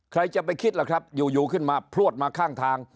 ใครจะไปคิดล่ะครับอยู่ขึ้นมาพลวดมาข้างทาง